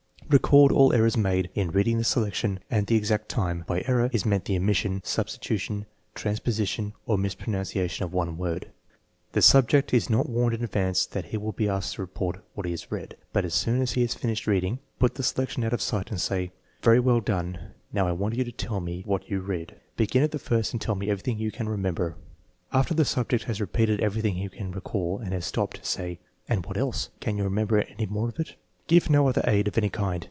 Record all errors made in reading the selection, and the exact time. By " error '* is meant the omission, substitu tion, transposition, or mispronunciation of one word. The subject is not warned in advance that he will be asked to report what he has read, but as soon as he has TEST NO. X, 4 2C3 finished reading, put the selection out of sight and say: " Very well done. Noiv, I want you to tell me what you read. Begin at the first and tell everything you can remember" After the subject has repeated everything he can recall and has stopped, say: " And what else? Can you remember any more of it? " Give no other aid of any kind.